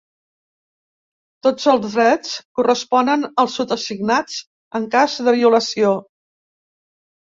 Tots els drets corresponen als sotasignats en cas de violació.